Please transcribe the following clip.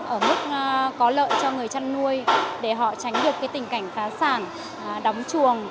ở mức có lợi cho người chăn nuôi để họ tránh được tình cảnh phá sản đóng chuồng